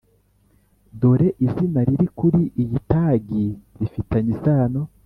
dore izina riri kuri iyi tagi rifitanye isano.